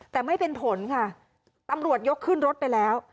แต่ไม่เป็นผลค่ะตำรวจยกขึ้นรถไปแล้ว